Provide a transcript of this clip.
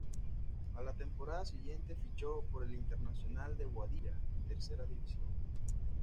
A la temporada siguiente fichó por el Internacional de Boadilla en Tercera División.